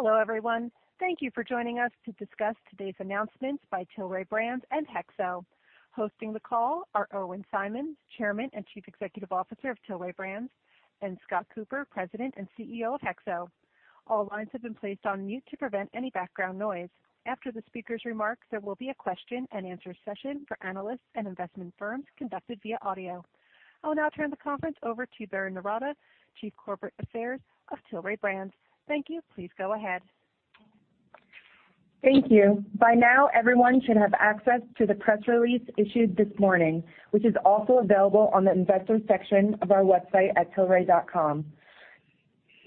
Hello, everyone. Thank you for joining us to discuss today's announcements by Tilray Brands and HEXO. Hosting the call are Irwin Simon, Chairman and Chief Executive Officer of Tilray Brands, and Scott Cooper, President and CEO of HEXO. All lines have been placed on mute to prevent any background noise. After the speaker's remarks, there will be a question-and-answer session for analysts and investment firms conducted via audio. I'll now turn the conference over to Berrin Noorata, Chief Corporate Affairs Officer of Tilray Brands. Thank you. Please go ahead. Thank you. By now, everyone should have access to the press release issued this morning which is also available on the investor section of our website at tilray.com.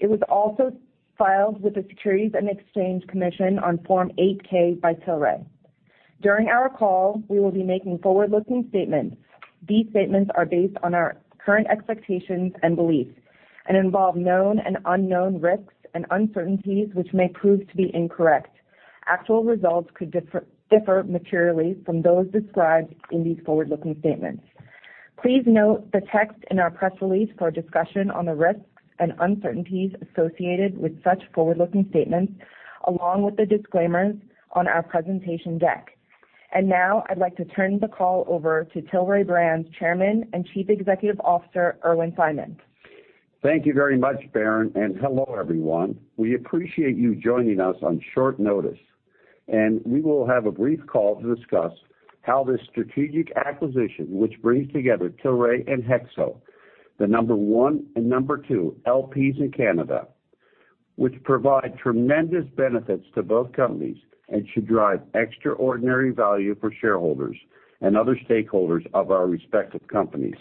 It was also filed with the Securities and Exchange Commission on Form 8-K by Tilray. During our call, we will be making forward-looking statements. These statements are based on our current expectations and beliefs and involve known and unknown risks and uncertainties which may prove to be incorrect. Actual results could differ materially from those described in these forward-looking statements. Please note the text in our press release for a discussion on the risks and uncertainties associated with such forward-looking statements, along with the disclaimers on our presentation deck. Now I'd like to turn the call over to Tilray Brands' Chairman and Chief Executive Officer, Irwin Simon. Thank you very much, Berrin. Hello, everyone. We appreciate you joining us on short notice and we will have a brief call to discuss how this strategic acquisition which brings together Tilray and HEXO, the number one and number two LPs in Canada which provide tremendous benefits to both companies and should drive extraordinary value for shareholders and other stakeholders of our respective companies.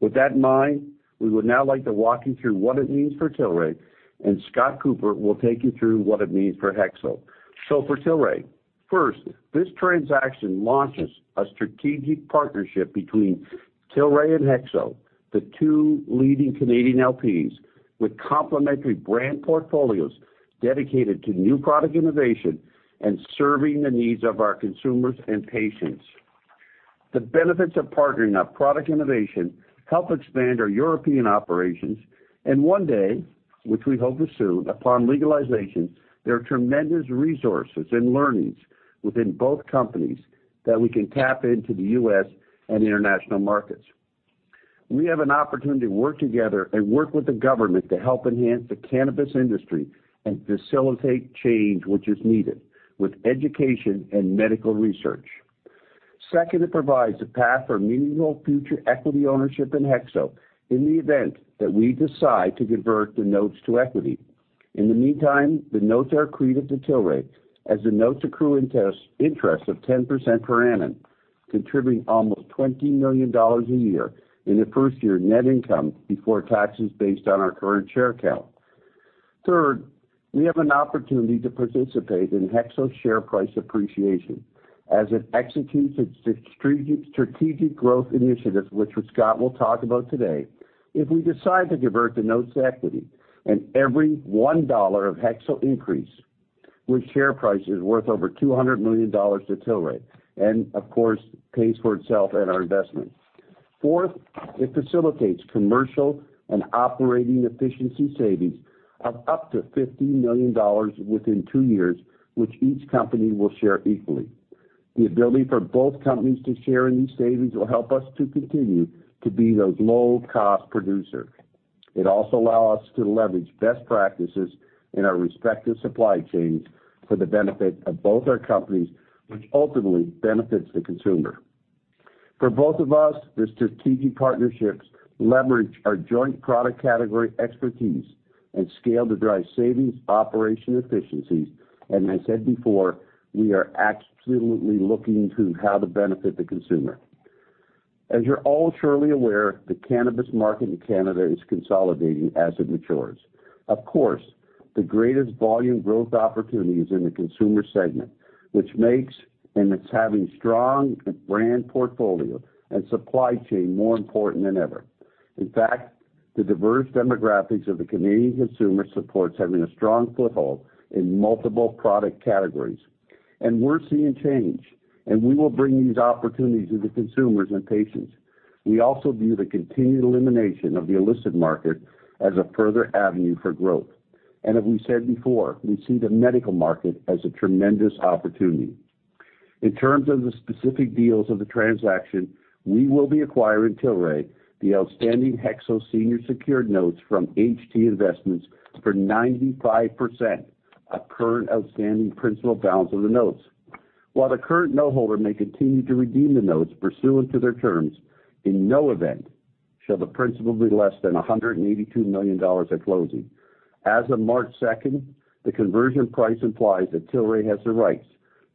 With that in mind, we would now like to walk you through what it means for Tilray and Scott Cooper will take you through what it means for HEXO. For Tilray, first, this transaction launches a strategic partnership between Tilray and HEXO, the two leading Canadian LPs with complementary brand portfolios dedicated to new product innovation and serving the needs of our consumers and patients. The benefits of partnering on product innovation help expand our European operations and one day which we hope is soon, upon legalization, there are tremendous resources and learnings within both companies that we can tap into the U.S. and international markets. We have an opportunity to work together and work with the government to help enhance the cannabis industry and facilitate change which is needed with education and medical research. Second, it provides a path for meaningful future equity ownership in HEXO in the event that we decide to convert the notes to equity. In the meantime, the notes are accretive to Tilray as the notes accrue interest of 10% per annum, contributing almost $20 million a year in the first year net income before taxes based on our current share count. Third, we have an opportunity to participate in HEXO share price appreciation as it executes its strategic growth initiatives which Scott will talk about today if we decide to convert the notes equity. Every $1 of HEXO increase with share price is worth over $200 million to Tilray and of course pays for itself and our investment. Fourth, it facilitates commercial and operating efficiency savings of up to $50 million within two years which each company will share equally. The ability for both companies to share in these savings will help us to continue to be those low-cost producers. It also allow us to leverage best practices in our respective supply chains for the benefit of both our companies which ultimately benefits the consumer. For both of us, the strategic partnerships leverage our joint product category expertise and scale to drive savings, operational efficiencies. I said before, we are absolutely looking to how to benefit the consumer. As you're all surely aware, the cannabis market in Canada is consolidating as it matures. Of course, the greatest volume growth opportunity is in the consumer segment which makes having a strong brand portfolio and supply chain more important than ever. In fact, the diverse demographics of the Canadian consumer support having a strong foothold in multiple product categories. We're seeing change, and we will bring these opportunities to the consumers and patients. We also view the continued elimination of the illicit market as a further avenue for growth. As we said before, we see the medical market as a tremendous opportunity. In terms of the specific deals of the transaction, we will be acquiring the outstanding HEXO senior secured notes from HT Investments for 95% of current outstanding principal balance of the notes. While the current note holder may continue to redeem the notes pursuant to their terms, in no event shall the principal be less than $182 million at closing. As of March 2nd, the conversion price implies that Tilray has the rights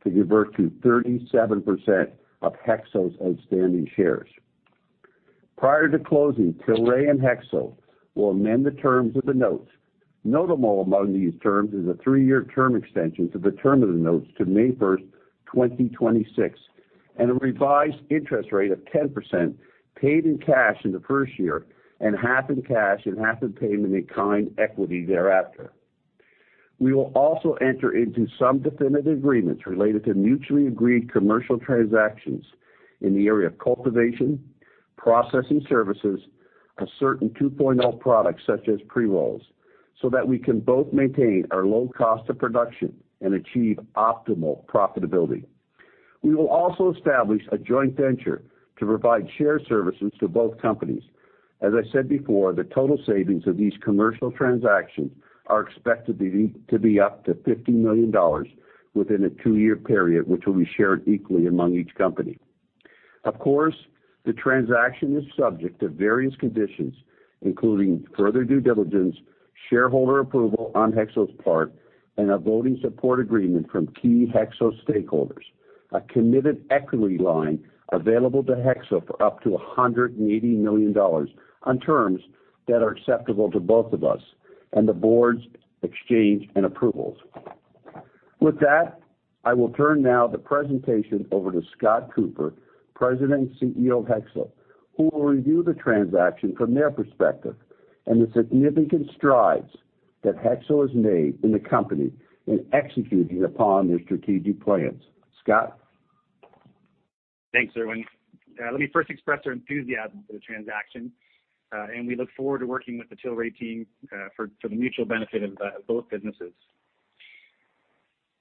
to convert to 37% of HEXO's outstanding shares. Prior to closing, Tilray and HEXO will amend the terms of the notes. Notable among these terms is a three-year term extension to the term of the notes to May 1st, 2026 and a revised interest rate of 10% paid in cash in the first year and half in cash and half in payment-in-kind equity thereafter. We will also enter into some definitive agreements related to mutually agreed commercial transactions in the area of cultivation, processing services, a certain 2.0 product such as pre-rolls so that we can both maintain our low cost of production and achieve optimal profitability. We will also establish a joint venture to provide shared services to both companies. As I said before, the total savings of these commercial transactions are expected to be up to $50 million within a two-year period which will be shared equally among each company. Of course, the transaction is subject to various conditions, including further due diligence, shareholder approval on HEXO's part and a voting support agreement from key HEXO stakeholders. A committed equity line available to HEXO for up to 180 million dollars on terms that are acceptable to both of us and the Board's exchange and approvals. With that, I will now turn the presentation over to Scott Cooper, President and CEO of HEXO, who will review the transaction from their perspective and the significant strides that HEXO has made in the company in executing upon their strategic plans. Scott? Thanks, Irwin. Let me first express our enthusiasm for the transaction and we look forward to working with the Tilray team for the mutual benefit of both businesses.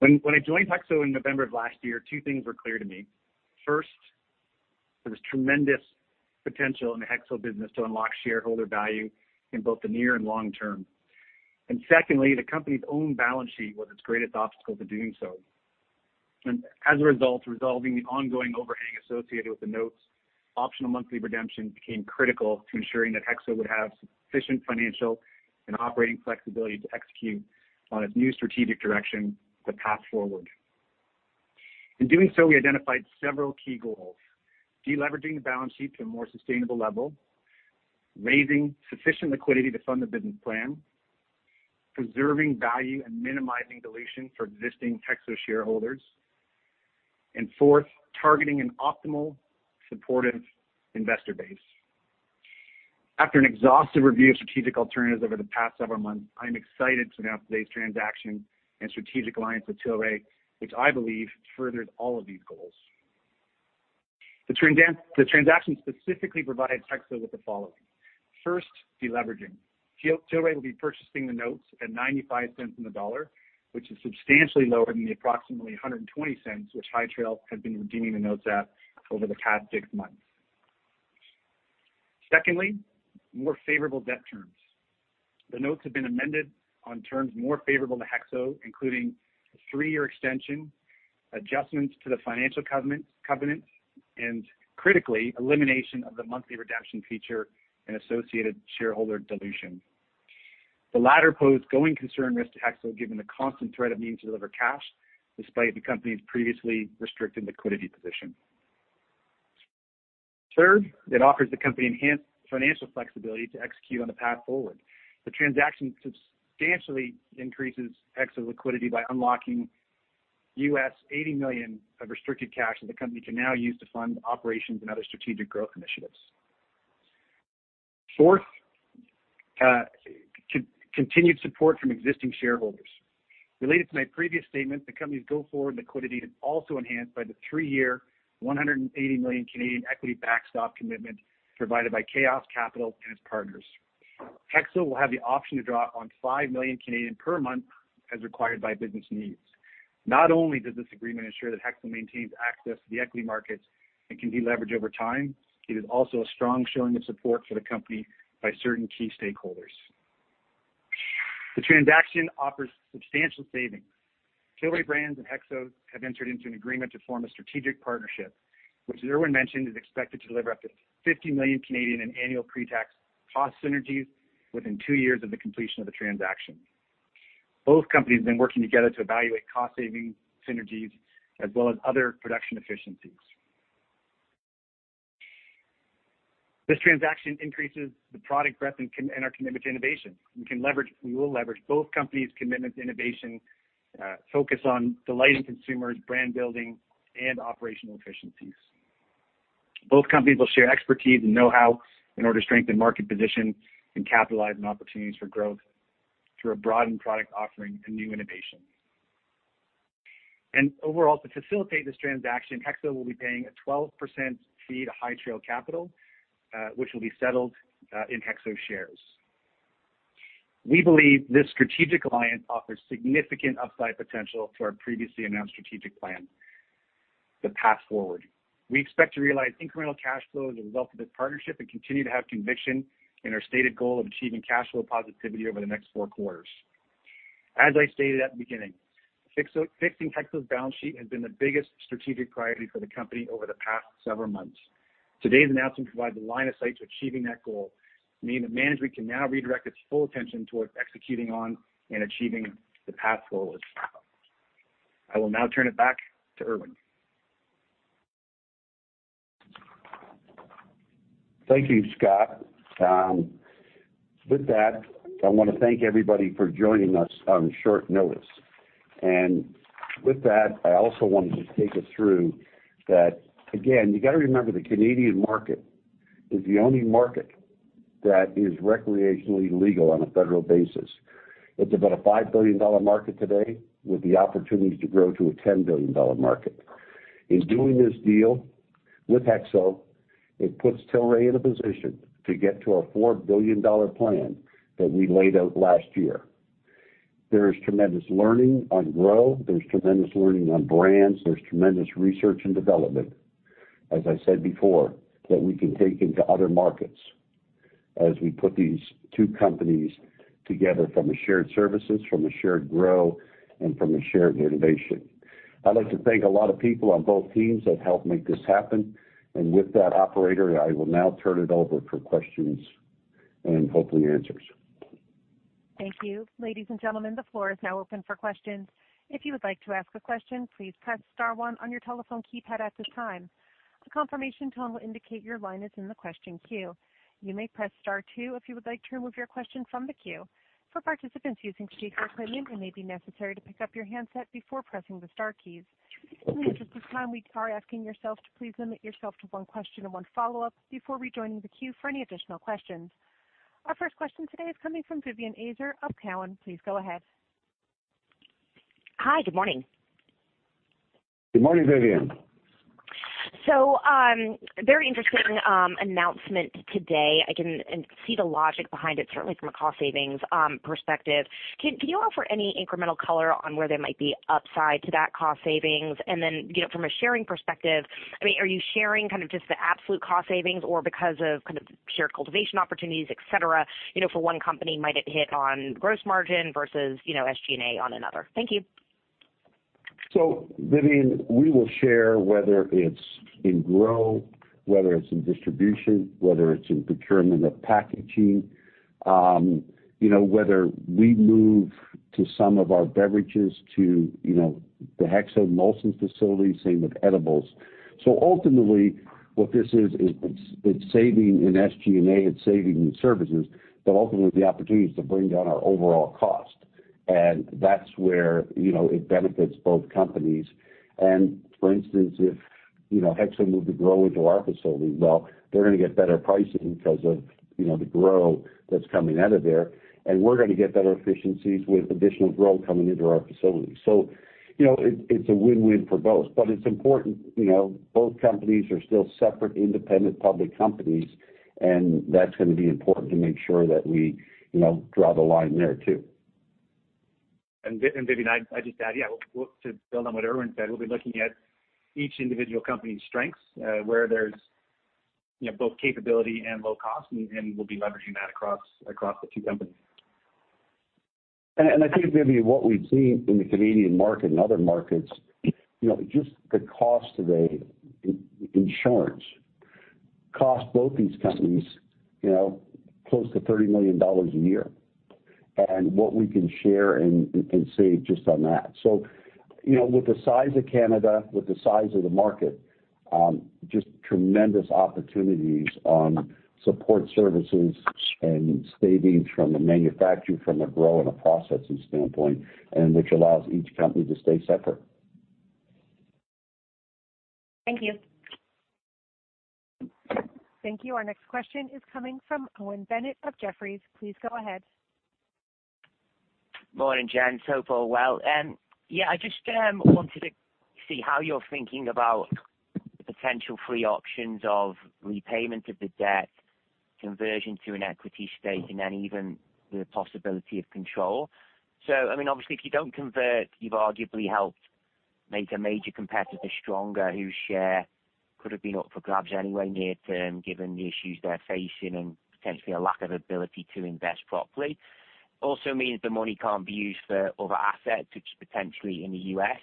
When I joined HEXO in November of last year, two things were clear to me. First, there was tremendous potential in the HEXO business to unlock shareholder value in both the near and long term. Secondly, the company's own balance sheet was its greatest obstacle to doing so. As a result, resolving the ongoing overhang associated with the notes, optional monthly redemption became critical to ensuring that HEXO would have sufficient financial and operating flexibility to execute on its new strategic direction, The Path Forward. In doing so, we identified several key goals. Deleveraging the balance sheet to a more sustainable level, raising sufficient liquidity to fund the business plan, preserving value and minimizing dilution for existing HEXO shareholders and fourth, targeting an optimal supportive investor base. After an exhaustive review of strategic alternatives over the past several months, I'm excited to announce today's transaction and strategic alliance with Tilray which I believe furthers all of these goals. The transaction specifically provided HEXO with the following. First, deleveraging. Tilray will be purchasing the notes at 95 cents on the dollar which is substantially lower than the approximately 120 cents, which High Trail had been redeeming the notes at over the past six months. Secondly, more favorable debt terms. The notes have been amended on terms more favorable to HEXO, including a three-year extension, adjustments to the financial covenants and critically, elimination of the monthly redemption feature and associated shareholder dilution. The latter posed going concern risk to HEXO, given the constant threat of needing to deliver cash despite the company's previously restricted liquidity position. Third, it offers the company enhanced financial flexibility to execute on the Path Forward. The transaction substantially increases HEXO liquidity by unlocking $80 million of restricted cash that the company can now use to fund operations and other strategic growth initiatives. Fourth, continued support from existing shareholders. Related to my previous statement, the company's go-forward liquidity is also enhanced by the three-year 180 million equity backstop commitment provided by KAOS Capital and its partners. HEXO will have the option to draw on 5 million per month as required by business needs. Not only does this agreement ensure that HEXO maintains access to the equity markets and can deleverage over time, it is also a strong showing of support for the company by certain key stakeholders. The transaction offers substantial savings. Tilray Brands and HEXO have entered into an agreement to form a strategic partnership which as Irwin mentioned, is expected to deliver up to 50 million in annual pre-tax cost synergies within two years of the completion of the transaction. Both companies have been working together to evaluate cost-saving synergies as well as other production efficiencies. This transaction increases the product breadth and our commitment to innovation. We will leverage both companies' commitment to innovation, focus on delighting consumers, brand building and operational efficiencies. Both companies will share expertise and know-how in order to strengthen market position and capitalize on opportunities for growth through a broadened product offering and new innovation. Overall, to facilitate this transaction, HEXO will be paying a 12% fee to High Trail Capital, which will be settled in HEXO shares. We believe this strategic alliance offers significant upside potential to our previously announced strategic plan, The Path Forward. We expect to realize incremental cash flow as a result of this partnership and continue to have conviction in our stated goal of achieving cash flow positivity over the next four quarters. As I stated at the beginning, fixing HEXO's balance sheet has been the biggest strategic priority for the company over the past several months. Today's announcement provides a line of sight to achieving that goal, meaning that management can now redirect its full attention towards executing on and achieving The Path Forward. I will now turn it back to Irwin. Thank you, Scott. With that, I wanna thank everybody for joining us on short notice. With that, I also want to just take us through that. Again, you gotta remember the Canadian market is the only market that is recreationally legal on a federal basis. It's about a $5 billion market today with the opportunity to grow to a $10 billion market. In doing this deal with HEXO, it puts Tilray in a position to get to our $4 billion plan that we laid out last year. There is tremendous learning on grow, there's tremendous learning on brands, there's tremendous research and development, as I said before, that we can take into other markets as we put these two companies together from a shared services, from a shared grow and from a shared innovation. I'd like to thank a lot of people on both teams that helped make this happen. With that, operator, I will now turn it over for questions and hopefully answers. Thank you. Ladies and gentlemen, the floor is now open for questions. If you would like to ask a question, please press star one on your telephone keypad at this time. A confirmation tone will indicate your line is in the question queue. You may press star two if you would like to remove your question from the queue. For participants using speakerphone, it may be necessary to pick up your handset before pressing the star keys. In the interest of time, we are asking yourself to please limit yourself to one question and one follow-up before rejoining the queue for any additional questions. Our first question today is coming from Vivien Azer of Cowen. Please go ahead. Hi, good morning. Good morning, Vivien. Very interesting announcement today. I can see the logic behind it, certainly from a cost savings perspective. Can you offer any incremental color on where there might be upside to that cost savings? Then, you know, from a sharing perspective, I mean, are you sharing kind of just the absolute cost savings or because of kind of shared cultivation opportunities, et cetera, you know, for one company, might it hit on gross margin versus, you know, SG&A on another? Thank you. Vivien, we will share whether it's in grow, whether it's in distribution, whether it's in procurement of packaging, you know, whether we move some of our beverages to, you know, the HEXO Molson's facility, same with edibles. Ultimately, what this is saving in SG&A, it's saving in services but ultimately the opportunity is to bring down our overall cost. That's where, you know, it benefits both companies. For instance, if, you know, HEXO moved the grow into our facility, well, they're gonna get better pricing because of, you know, the grow that's coming out of there and we're gonna get better efficiencies with additional grow coming into our facility. You know, it's a win-win for both. It's important, you know, both companies are still separate, independent public companies and that's gonna be important to make sure that we, you know, draw the line there too. Vivian, I just add, yeah, we'll to build on what Irwin said, we'll be looking at each individual company's strengths where there's, you know, both capability and low cost and we'll be leveraging that across the two companies. I think, Vivien, what we've seen in the Canadian market and other markets, you know, just the cost today in insurance costs both these companies, you know, close to $30 million a year. What we can share and save just on that. You know, with the size of Canada, with the size of the market, just tremendous opportunities on support services and savings from the manufacturing from the grow and a processing standpoint and which allows each company to stay separate. Thank you. Thank you. Our next question is coming from Owen Bennett of Jefferies. Please go ahead. Morning, gents. Hope all well. Yeah, I just wanted to see how you're thinking about the potential three options of repayment of the debt, conversion to an equity stake and then even the possibility of control. I mean, obviously if you don't convert, you've arguably helped make a major competitor stronger whose share could have been up for grabs anyway near term, given the issues they're facing and potentially a lack of ability to invest properly. Also means the money can't be used for other assets which potentially in the US.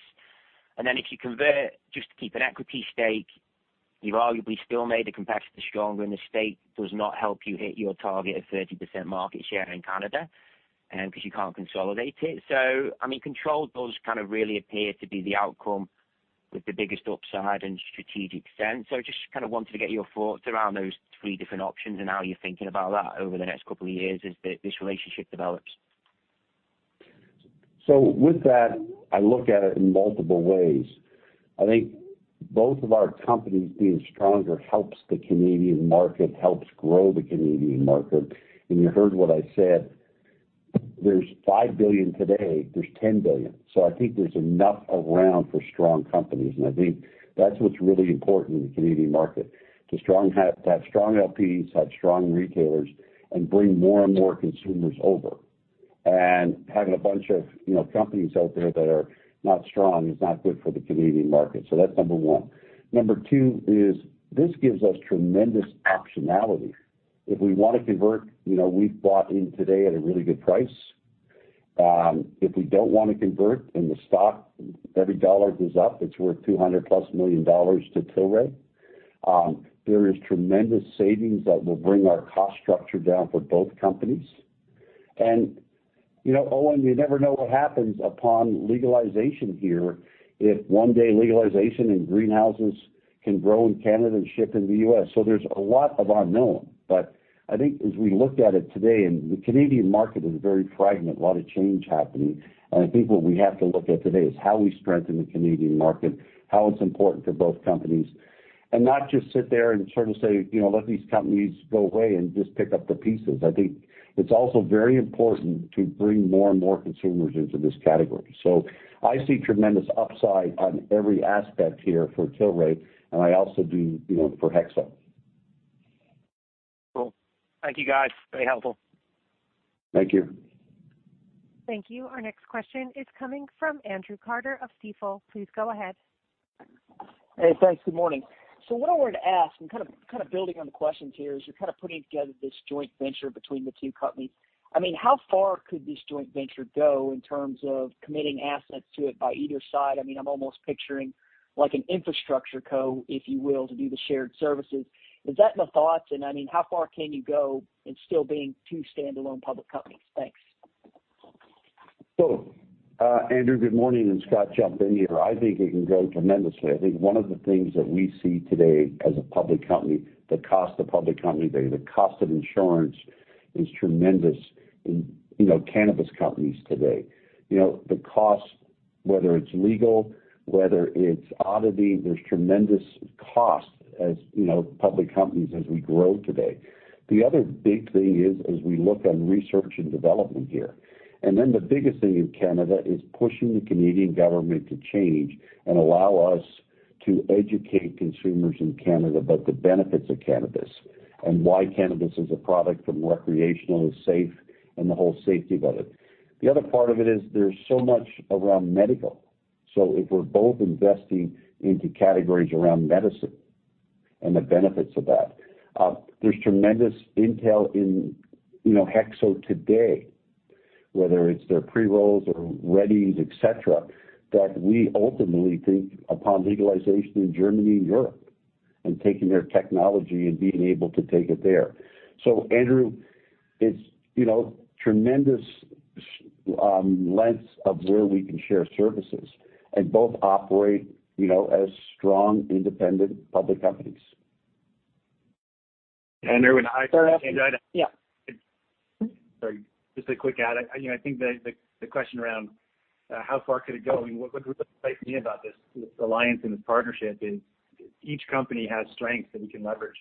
If you convert just to keep an equity stake, you've arguably still made the competitor stronger and the stake does not help you hit your target of 30% market share in Canada because you can't consolidate it. I mean, control does kind of really appear to be the outcome with the biggest upside in strategic sense. Just kind of wanted to get your thoughts around those three different options and how you're thinking about that over the next couple of years as this relationship develops. With that, I look at it in multiple ways. I think both of our companies being stronger helps the Canadian market, helps grow the Canadian market. You heard what I said, there's $5 billion today, there's $10 billion. I think there's enough around for strong companies. I think that's what's really important in the Canadian market, to have strong LPs, have strong retailers and bring more and more consumers over. Having a bunch of, you know, companies out there that are not strong is not good for the Canadian market. That's number one. Number two is this gives us tremendous optionality. If we wanna convert, you know, we've bought in today at a really good price. If we don't want to convert in the stock, every dollar goes up, it's worth $200+ million to Tilray. There is tremendous savings that will bring our cost structure down for both companies. You know, Owen, you never know what happens upon legalization here, if one day legalization and greenhouses can grow in Canada and ship into the U.S. There's a lot of unknowns. I think as we looked at it today, and the Canadian market is very fragmented, a lot of change happening, and I think what we have to look at today is how we strengthen the Canadian market, how it's important to both companies. Not just sit there and sort of say, you know, let these companies go away and just pick up the pieces. I think it's also very important to bring more and more consumers into this category. I see tremendous upside on every aspect here for Tilray and I also do, you know, for HEXO. Cool. Thank you guys. Very helpful. Thank you. Thank you. Our next question is coming from Andrew Carter of Stifel. Please go ahead. Hey, thanks. Good morning. What I wanted to ask and kind of building on the questions here, as you're kind of putting together this joint venture between the two companies. I mean, how far could this joint venture go in terms of committing assets to it by either side? I mean, I'm almost picturing like an infrastructure co, if you will, to do the shared services. Is that in the thoughts? I mean, how far can you go in still being two standalone public companies? Thanks. Andrew, good morning and can Scott jump in here. I think it can go tremendously. I think one of the things that we see today as a public company, the cost of public company today, the cost of insurance is tremendous in, you know, cannabis companies today. You know, the cost, whether it's legal, whether it's audit, there's tremendous cost as, you know, public companies as we grow today. The other big thing is, as we look on research and development here, and then the biggest thing in Canada is pushing the Canadian government to change and allow us to educate consumers in Canada about the benefits of cannabis and why cannabis is a product from recreational, it's safe, and the whole safety of it. The other part of it is there's so much around medical. If we're both investing into categories around medicine and the benefits of that, there's tremendous intel in, you know, HEXO today, whether it's their pre-rolls or Redees, et cetera, that we ultimately think upon legalization in Germany and Europe and taking their technology and being able to take it there. Andrew, it's, you know, tremendous lengths of where we can share services and both operate, you know, as strong, independent public companies. Andrew, Yeah. Sorry. Just a quick add. You know, I think the question around how far could it go and what excites me about this alliance and this partnership is each company has strengths that we can leverage.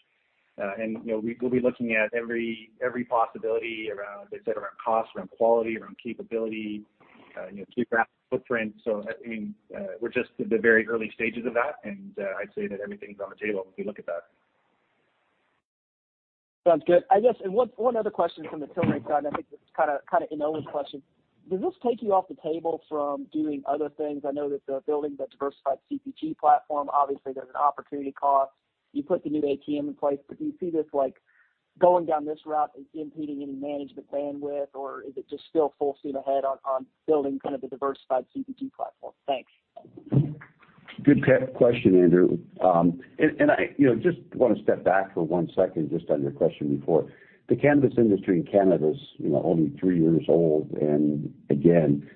You know, we will be looking at every possibility around cost, around quality, around capability, you know, geographical footprint. I mean, we're just at the very early stages of that and I'd say that everything's on the table as we look at that. Sounds good. I guess, one other question from the Tilray side and I think this is kinda an ominous question. Does this take you off the table from doing other things? I know that they're building that diversified CPG platform. Obviously, there's an opportunity cost. You put the new ATM in place but do you see this, like, going down this route as impeding any management bandwidth or is it just still full steam ahead on building kind of the diversified CPG platform? Thanks. Good question, Andrew. You know, I just wanna step back for one second just on your question before. The cannabis industry in Canada is, you know, only three years old. Again,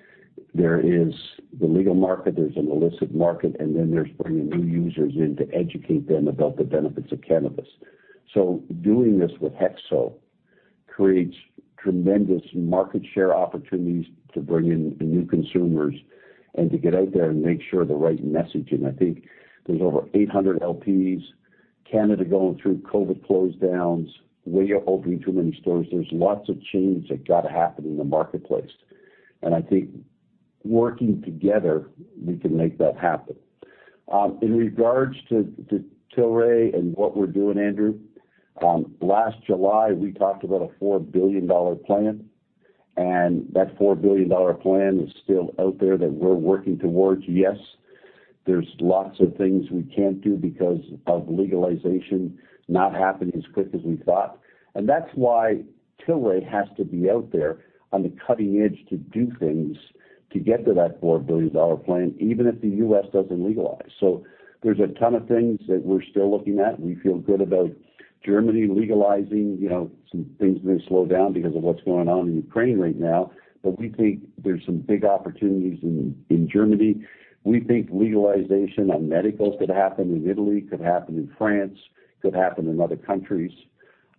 there is the legal market, there's an illicit market and then there's bringing new users in to educate them about the benefits of cannabis. Doing this with HEXO creates tremendous market share opportunities to bring in the new consumers and to get out there and make sure the right messaging. I think there's over 800 LPs in Canada going through COVID close downs. We are opening too many stores. There's lots of change that gotta happen in the marketplace. I think working together, we can make that happen. In regards to Tilray and what we're doing, Andrew, last July, we talked about a $4 billion plan and that $4 billion plan is still out there that we're working towards. Yes, there's lots of things we can't do because of legalization not happening as quick as we thought. That's why Tilray has to be out there on the cutting edge to do things to get to that $4 billion plan, even if the U.S. doesn't legalize. There's a ton of things that we're still looking at. We feel good about Germany legalizing. You know, some things may slow down because of what's going on in Ukraine right now but we think there's some big opportunities in Germany. We think legalization on medical could happen in Italy, could happen in France, could happen in other countries.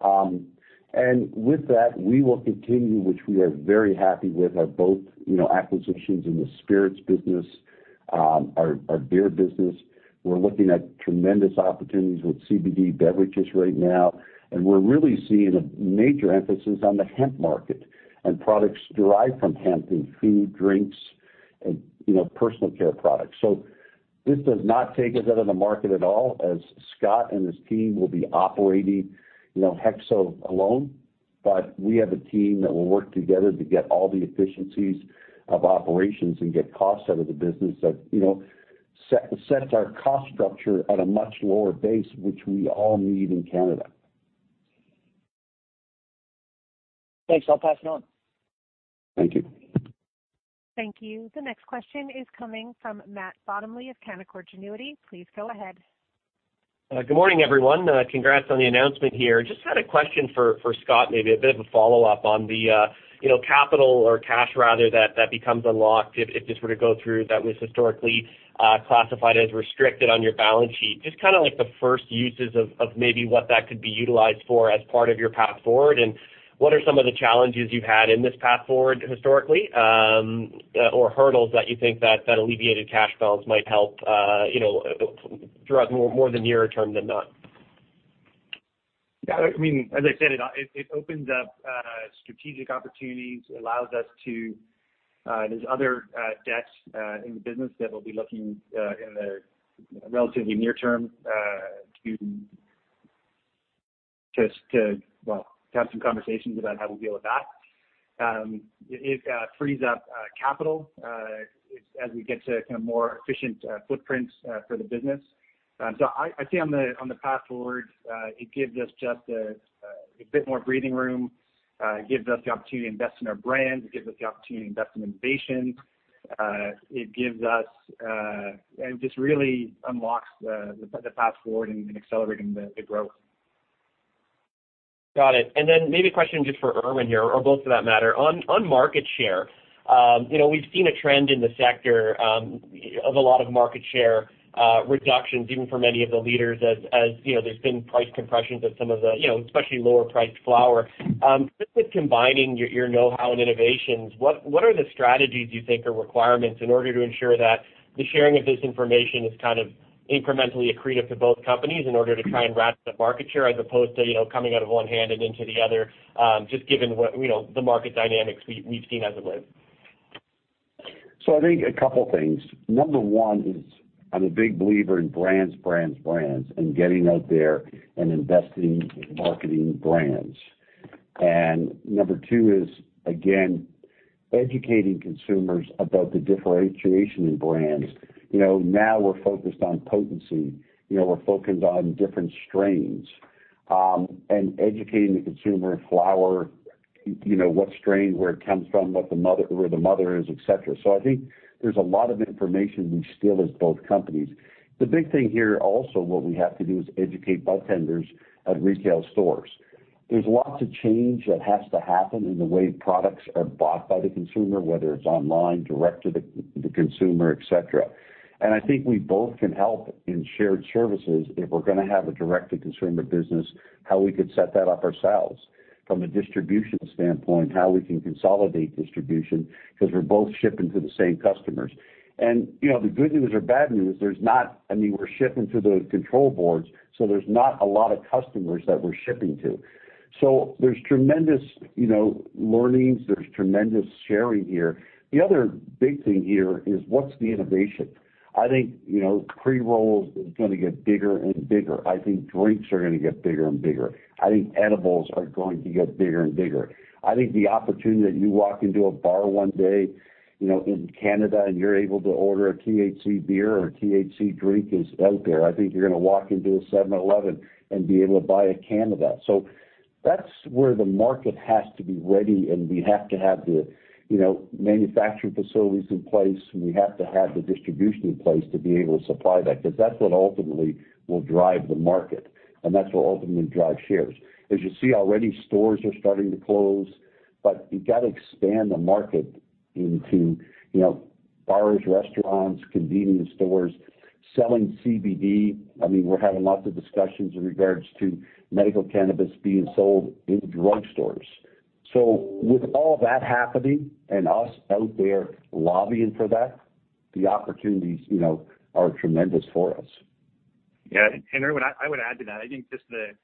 With that, we will continue, which we are very happy with our both, you know, acquisitions in the spirits business, our beer business. We're looking at tremendous opportunities with CBD beverages right now and we're really seeing a major emphasis on the hemp market and products derived from hemp in food, drinks and, you know, personal care products. This does not take us out of the market at all as Scott and his team will be operating, you know, HEXO alone. We have a team that will work together to get all the efficiencies of operations and get costs out of the business that, you know, sets our cost structure at a much lower base, which we all need in Canada. Thanks. I'll pass it on. Thank you. Thank you. The next question is coming from Matt Bottomley of Canaccord Genuity. Please go ahead. Good morning, everyone. Congrats on the announcement here. Just had a question for Scott, maybe a bit of a follow-up on the, you know, capital or cash rather that becomes unlocked if this were to go through that was historically classified as restricted on your balance sheet. Just kinda like the first uses of maybe what that could be utilized for as part of your Path Forward and what are some of the challenges you've had in this Path Forward historically or hurdles that you think that alleviated cash flows might help, you know, throughout more the near term than not? Yeah, I mean, as I said, it opens up strategic opportunities. It allows us to. There's other debts in the business that we'll be looking in the relatively near term to well have some conversations about how we'll deal with that. It frees up capital as we get to kind of more efficient footprints for the business. I see on the Path Forward it gives us just a bit more breathing room. It gives us the opportunity to invest in our brands. It gives us the opportunity to invest in innovation. It just really unlocks the Path Forward in accelerating the growth. Got it. Maybe a question just for Irwin here or both for that matter. On market share, you know, we've seen a trend in the sector of a lot of market share reductions, even for many of the leaders as you know, there's been price compressions of some of the, you know, especially lower priced flower. Just with combining your know-how and innovations, what are the strategies you think are requirements in order to ensure that the sharing of this information is kind of incrementally accretive to both companies in order to try and wrap the market share as opposed to, you know, coming out of one hand and into the other, just given what, you know, the market dynamics we've seen as of late? I think a couple things. Number one is I'm a big believer in brands, brands, brands and getting out there and investing in marketing brands. Number two is, again, educating consumers about the differentiation in brands. You know, now we're focused on potency. You know, we're focused on different strains and educating the consumer flower, you know, what strain, where it comes from, what the mother is, et cetera. I think there's a lot of information we still as both companies. The big thing here also what we have to do is educate budtenders at retail stores. There's lots of change that has to happen in the way products are bought by the consumer, whether it's online, direct to the consumer, et cetera. I think we both can help in shared services if we're gonna have a direct to consumer business, how we could set that up ourselves from a distribution standpoint, how we can consolidate distribution because we're both shipping to the same customers. You know, the good news or bad news, there's not—I mean, we're shipping to the control boards so there's not a lot of customers that we're shipping to. There's tremendous, you know, learnings. There's tremendous sharing here. The other big thing here is what's the innovation. I think, you know, pre-rolls is gonna get bigger and bigger. I think drinks are gonna get bigger and bigger. I think edibles are going to get bigger and bigger. I think the opportunity that you walk into a bar one day, you know, in Canada and you're able to order a THC beer or a THC drink is out there. I think you're gonna walk into a 7-Eleven and be able to buy a can of that. That's where the market has to be ready and we have to have the, you know, manufacturing facilities in place and we have to have the distribution in place to be able to supply that because that's what ultimately will drive the market and that's what ultimately drive shares. As you see already, stores are starting to close, but you got to expand the market into, you know, bars, restaurants, convenience stores, selling CBD. I mean, we're having lots of discussions in regards to medical cannabis being sold in drugstores. With all that happening and us out there lobbying for that, the opportunities, you know, are tremendous for us. Yeah. Irwin, I would add to that. I think, as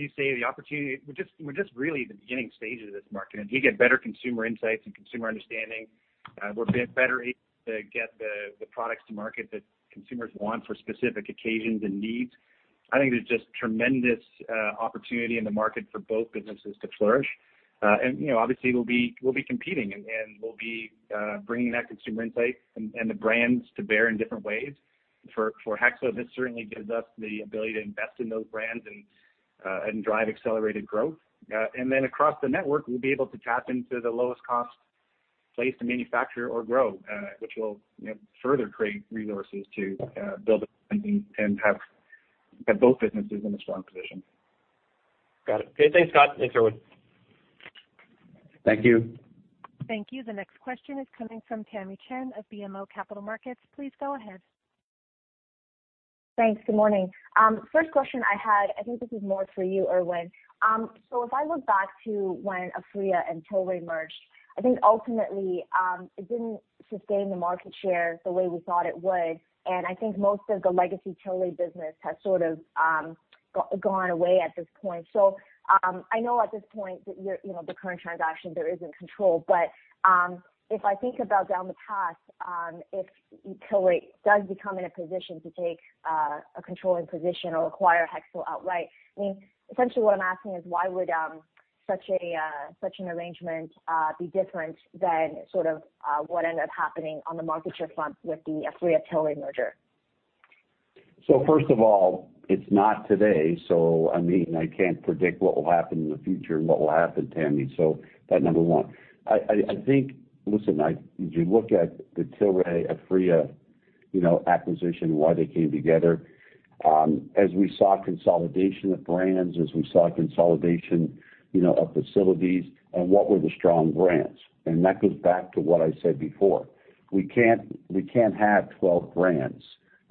you say, the opportunity, we're just really at the beginning stages of this market. As we get better consumer insights and consumer understanding, we're better able to get the products to market that consumers want for specific occasions and needs. I think there's just tremendous opportunity in the market for both businesses to flourish. You know, obviously, we'll be competing, and we'll be bringing that consumer insight and the brands to bear in different ways. For HEXO, this certainly gives us the ability to invest in those brands and drive accelerated growth. Across the network, we'll be able to tap into the lowest cost place to manufacture or grow, which will, you know, further create resources to build and have both businesses in a strong position. Got it. Okay, thanks, Scott. Thanks, Irwin. Thank you. Thank you. The next question is coming from Tamy Chen of BMO Capital Markets. Please go ahead. Thanks. Good morning. First question I had, I think this is more for you, Irwin. So if I look back to when Aphria and Tilray merged, I think ultimately, it didn't sustain the market share the way we thought it would. I think most of the legacy Tilray business has sort of, gone away at this point. I know at this point that the current transaction, there is a control. If I think about down the path, if Tilray does become in a position to take a controlling position or acquire HEXO outright, I mean, essentially what I'm asking is why would such a such an arrangement be different than sort of what ended up happening on the market share front with the Aphria-Tilray merger? First of all, it's not today, I mean, I can't predict what will happen in the future, Tamy. That number one. I think. Listen, if you look at the Tilray, Aphria acquisition, why they came together, as we saw consolidation of brands and saw consolidation of facilities and what were the strong brands? That goes back to what I said before. We can't have 12 brands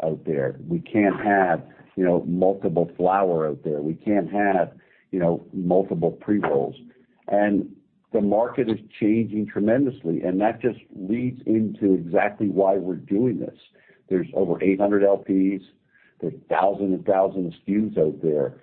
out there. We can't have multiple flower out there. We can't have multiple pre-rolls. The market is changing tremendously and that just leads into exactly why we're doing this. There's over 800 LPs. There's thousands and thousands of SKUs out there.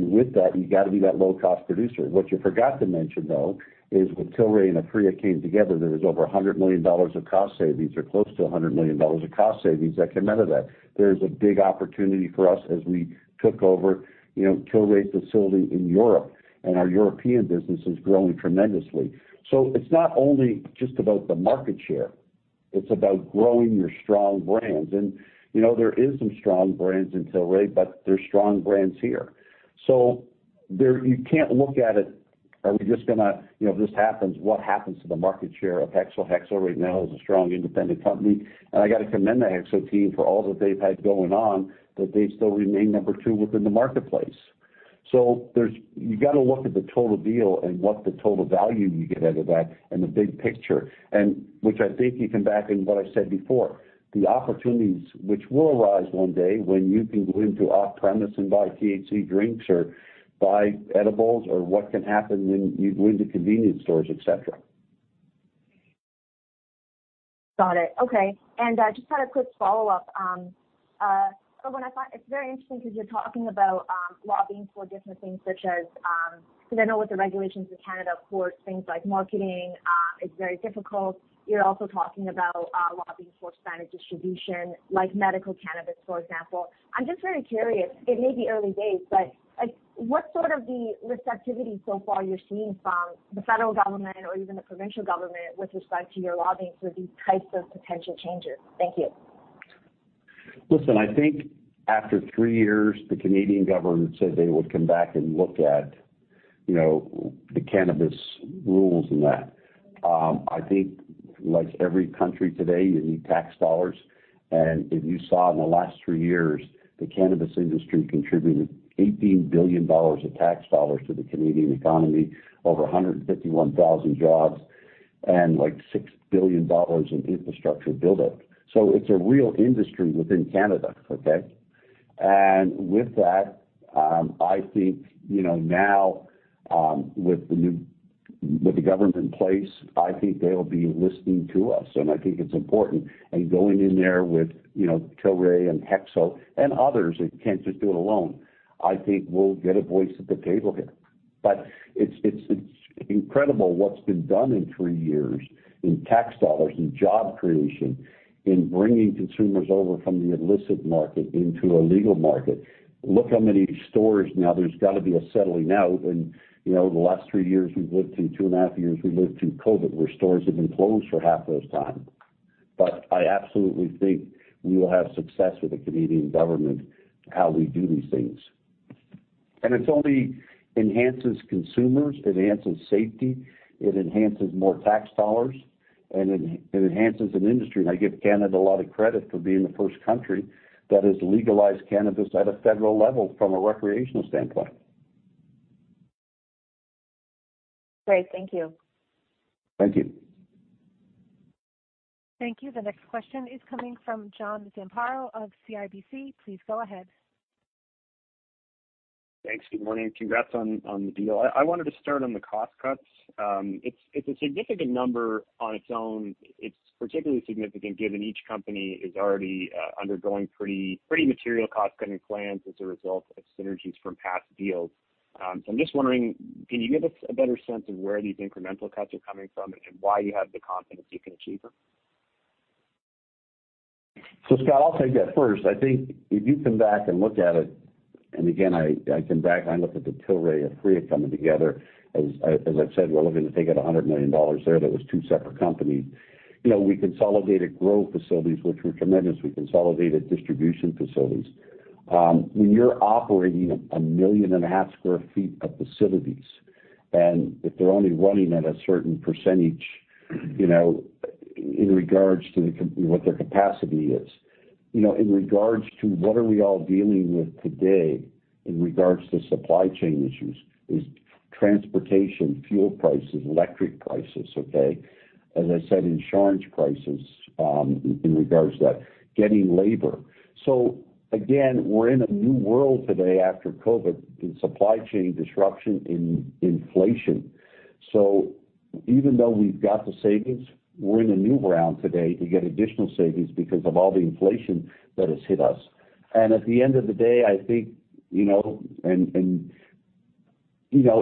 With that, you got to be that low cost producer. What you forgot to mention, though, is when Tilray and Aphria came together, there was over $100 million of cost savings or close to $100 million of cost savings that came out of that. There's a big opportunity for us as we took over, you know, Tilray's facility in Europe and our European business is growing tremendously. It's not only just about the market share, it's about growing your strong brands. You know, there is some strong brands in Tilray but there's strong brands here. There you can't look at it, are we just gonna, you know, if this happens, what happens to the market share of HEXO? HEXO right now is a strong independent company. I got to commend the HEXO team for all that they've had going on that they still remain number two within the marketplace. You got to look at the total deal and what the total value you get out of that and the big picture and which I think you come back in what I said before, the opportunities which will arise one day when you can go into off-premise and buy THC drinks or buy edibles or what can happen when you go into convenience stores, et cetera. Got it. Okay. I just had a quick follow-up, when I thought it's very interesting because you're talking about lobbying for different things such as, because I know with the regulations in Canada, of course, things like marketing is very difficult. You're also talking about lobbying for expanded distribution like medical cannabis, for example. I'm just very curious. It may be early days but like, what's sort of the receptivity so far you're seeing from the federal government or even the provincial government with respect to your lobbying for these types of potential changes? Thank you. Listen, I think after three years, the Canadian government said they would come back and look at, you know, the cannabis rules and that. I think like every country today, you need tax dollars. If you saw in the last three years, the cannabis industry contributed $18 billion of tax dollars to the Canadian economy, over 151,000 jobs and like $6 billion in infrastructure build-up. It's a real industry within Canada. With that, I think, you know, now, with the government in place, I think they'll be listening to us and I think it's important, and going in there with, you know, Tilray and HEXO and others, you can't just do it alone. I think we'll get a voice at the table here. It's incredible what's been done in three years in tax dollars, in job creation, in bringing consumers over from the illicit market into a legal market. Look how many stores now there's got to be a settling out. You know, the last three years we've lived in two and a half years, we lived through COVID, where stores have been closed for half those time. I absolutely think we will have success with the Canadian government, how we do these things. It only enhances consumers, it enhances safety, it enhances more tax dollars and it enhances an industry. I give Canada a lot of credit for being the first country that has legalized cannabis at a federal level from a recreational standpoint. Great. Thank you. Thank you. Thank you. The next question is coming from John Zamparo of CIBC. Please go ahead. Thanks. Good morning. Congrats on the deal. I wanted to start on the cost cuts. It's a significant number on its own. It's particularly significant given each company is already undergoing pretty material cost cutting plans as a result of synergies from past deals. I'm just wondering, can you give us a better sense of where these incremental cuts are coming from and why you have the confidence you can achieve them? Scott, I'll take that first. I think if you come back and look at it, and again, I come back and I look at the Tilray, Aphria coming together. As I've said, we're looking to take out $100 million there. That was two separate companies. You know, we consolidated growth facilities which were tremendous. We consolidated distribution facilities. When you're operating 1.5 million sq ft of facilities, and if they're only running at a certain percentage, you know, in regards to what their capacity is. You know, in regards to what are we all dealing with today in regards to supply chain issues is transportation, fuel prices, electricity prices. Okay? As I said, insurance prices, in regards to that, getting labor. Again, we're in a new world today after COVID in supply chain disruption, in inflation. Even though we've got the savings, we're in a new round today to get additional savings because of all the inflation that has hit us. At the end of the day, I think, you know,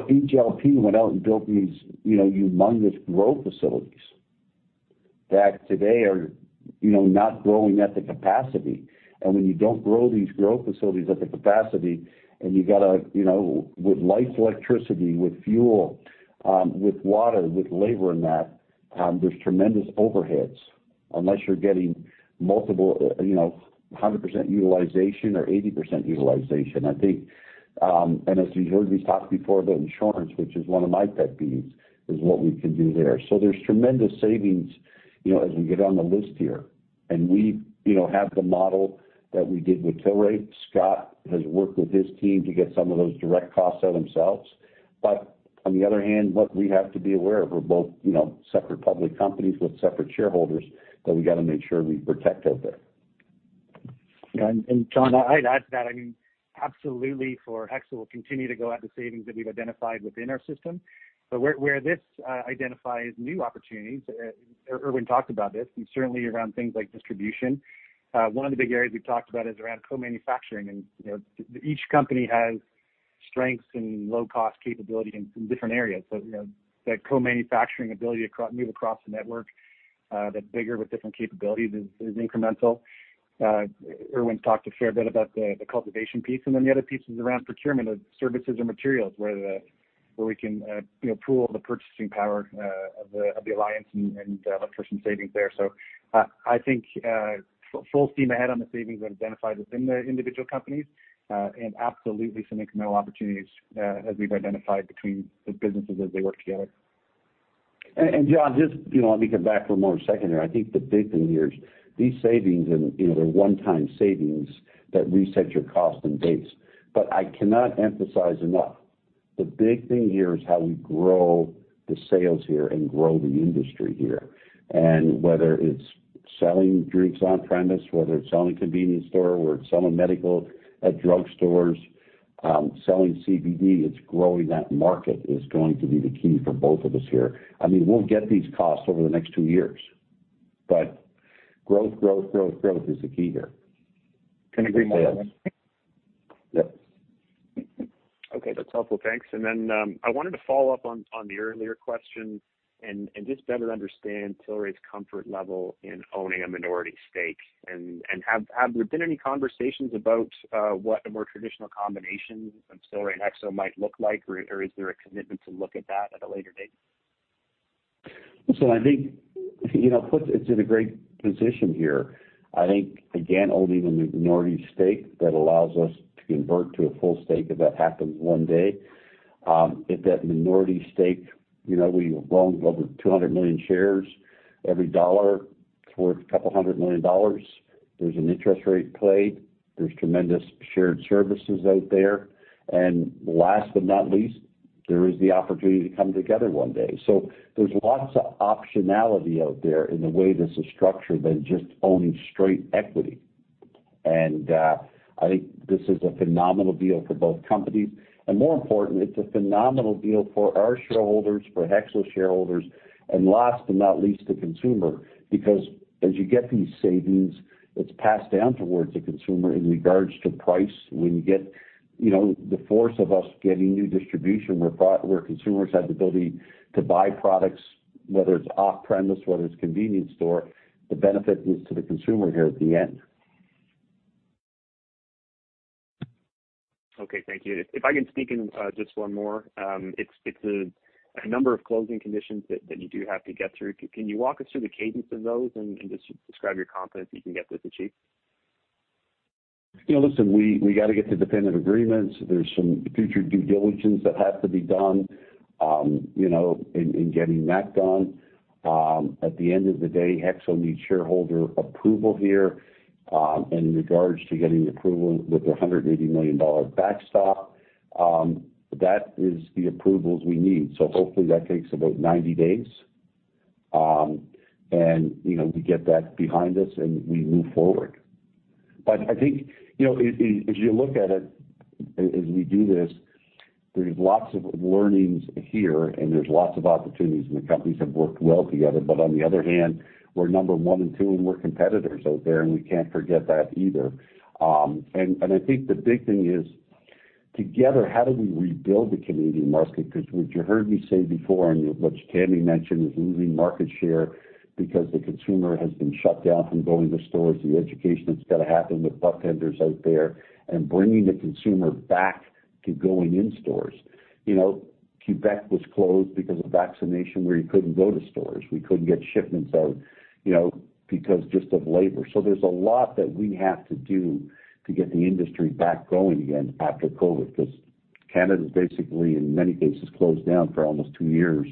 each LP went out and built these, you know, humongous growth facilities that today are, you know, not growing at the capacity. When you don't grow these growth facilities at the capacity and you got to, you know, with lights, electricity, with fuel, with water, with labor in that, there's tremendous overheads unless you're getting multiple 100% utilization or 80% utilization, I think. As you've heard me talk before about insurance which is one of my pet peeves, is what we can do there. There's tremendous savings, you know, as we get on the list here. We, you know, have the model that we did with Tilray. Scott has worked with his team to get some of those direct costs out themselves. On the other hand, what we have to be aware of, we're both, you know, separate public companies with separate shareholders that we got to make sure we protect out there. Yeah. John, I'd add to that. I mean, absolutely for HEXO, we'll continue to go at the savings that we've identified within our system. Where this identifies new opportunities, Irwin talked about this and certainly around things like distribution. One of the big areas we've talked about is around co-manufacturing. You know, each company has strengths and low cost capability in some different areas. You know, that co-manufacturing ability to move across the network, that's bigger with different capabilities is incremental. Irwin's talked a fair bit about the cultivation piece and then the other piece is around procurement of services and materials where we can, you know, pool the purchasing power of the alliance and achieve savings there. I think full steam ahead on the savings we've identified within the individual companies and absolutely some incremental opportunities as we've identified between the businesses as they work together. John, just, you know, let me come back for one more second there. I think the big thing here is these savings and, you know, they're one-time savings that reset your cost and base. I cannot emphasize enough, the big thing here is how we grow the sales here and grow the industry here. Whether it's selling drinks on premise, whether it's selling convenience store or it's selling medical at drugstores, selling CBD, it's growing that market is going to be the key for both of us here. I mean, we'll get these costs over the next two years but growth, growth, growth is the key here. Couldn't agree more, Irwin. Yes. Okay. That's helpful. Thanks. Then, I wanted to follow up on the earlier question and just better understand Tilray's comfort level in owning a minority stake. Have there been any conversations about what a more traditional combination of Tilray and HEXO might look like or is there a commitment to look at that at a later date? I think, you know, puts us in a great position here. I think, again, owning a minority stake that allows us to convert to a full stake if that happens one day. If that minority stake, you know, we've loaned over 200 million shares, every dollar towards $200 million. There's an interest rate play. There's tremendous shared services out there. And last but not least, there is the opportunity to come together one day. There's lots of optionality out there in the way this is structured than just owning straight equity. I think this is a phenomenal deal for both companies. More important, it's a phenomenal deal for our shareholders, for HEXO shareholders, and last but not least, the consumer. Because as you get these savings, it's passed down towards the consumer in regards to price. When you get, you know, the force of us getting new distribution where consumers have the ability to buy products, whether it's off-premise, whether it's convenience store, the benefit is to the consumer here at the end. Okay. Thank you. If I can sneak in just one more. It's a number of closing conditions that you do have to get through. Can you walk us through the cadence of those and just describe your confidence you can get this achieved? You know, listen, we got to get the dependent agreements. There's some future due diligence that has to be done, you know, in getting that done. At the end of the day, HEXO needs shareholder approval here. In regards to getting approval with the 180 million dollar backstop, that is the approvals we need. Hopefully that takes about 90 days. You know, we get that behind us and we move forward. I think, you know, as you look at it, as we do this, there's lots of learnings here, and there's lots of opportunities, and the companies have worked well together. On the other hand, we're number one and two, and we're competitors out there and we can't forget that either. I think the big thing is together, how do we rebuild the Canadian market? Because what you heard me say before and what Tilray mentioned is losing market share because the consumer has been shut down from going to stores, the education that's got to happen with bartenders out there and bringing the consumer back to going in stores. You know, Quebec was closed because of vaccination where you couldn't go to stores. We couldn't get shipments out, you know, because just of labor. There's a lot that we have to do to get the industry back going again after COVID because Canada's basically, in many cases, closed down for almost two years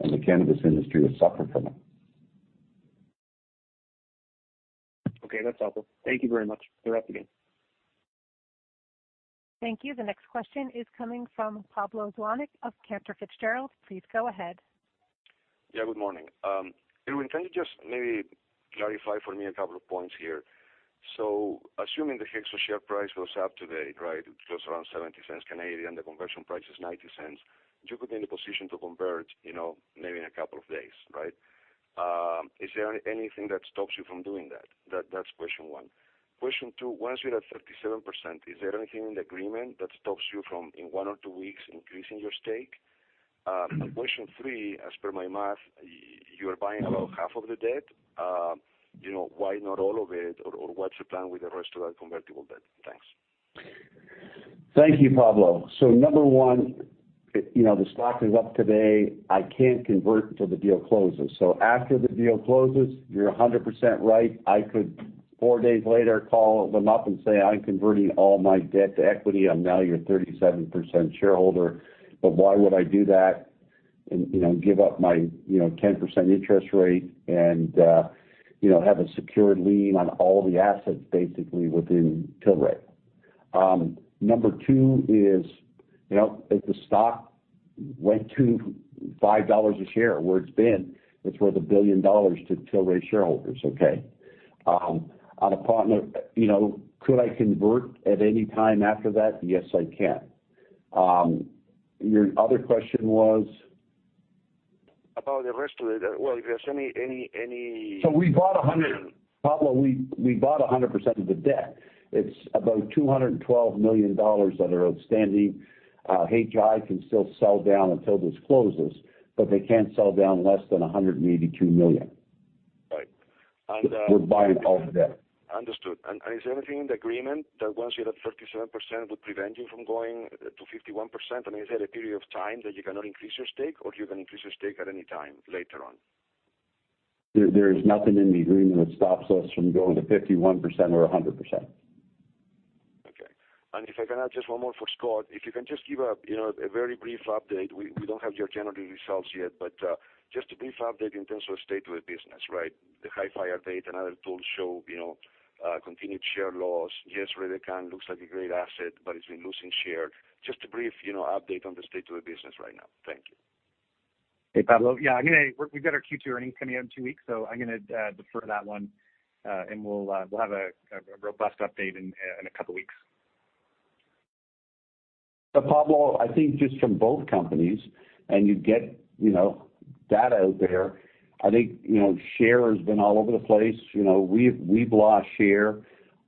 and the cannabis industry has suffered from it. Okay. That's all. Thank you very much. Good afternoon. Thank you. The next question is coming from Pablo Zuanic of Cantor Fitzgerald. Please go ahead. Yeah, good morning. Irwin, can you just maybe clarify for me a couple of points here. So assuming the HEXO share price goes up today, right, it's just around 0.70, the conversion price is 0.90. You could be in a position to convert, you know, maybe in a couple of days, right? Is there anything that stops you from doing that? That's question one. Question two, once you're at 37%, is there anything in the agreement that stops you from, in one or two weeks, increasing your stake? Question three, as per my math, you are buying about half of the debt. You know, why not all of it or what's your plan with the rest of that convertible debt? Thanks. Thank you, Pablo. Number one, you know, the stock is up today. I can't convert till the deal closes. After the deal closes, you're 100% right. I could four days later call them up and say, "I'm converting all my debt to equity. I'm now your 37% shareholder." Why would I do that and, you know, give up my, you know, 10% interest rate and, you know, have a secured lien on all the assets basically within Tilray? Number two is, you know, if the stock went to $5 a share where it's been, it's worth $1 billion to Tilray shareholders, okay? As a partner, you know, could I convert at any time after that? Yes, I can. Your other question was? About the rest of it. Well, if there's any- Pablo, we bought 100% of the debt. It's about $212 million that are outstanding. HT can still sell down until this closes but they can't sell down less than $182 million. Right. We're buying all the debt. Understood. Is there anything in the agreement that once you're at 37% would prevent you from going to 51%? I mean, is there a period of time that you cannot increase your stake or you can increase your stake at any time later on? There is nothing in the agreement that stops us from going to 51% or 100%. Okay. If I can add just one more for Scott. If you can just give a, you know, a very brief update. We don't have your January results yet but just a brief update in terms of state of the business, right? The Hifyre data and other tools show, you know, continued share loss. Yes, Redecan looks like a great asset but it's been losing share. Just a brief, you know, update on the state of the business right now. Thank you. Hey, Pablo. Yeah, I mean, we've got our Q2 earnings coming out in 2 weeks so I'm gonna defer that one. We'll have a robust update in a couple weeks. Pablo, I think just from both companies and you get, you know, data out there, I think, you know, share has been all over the place. You know, we've lost share.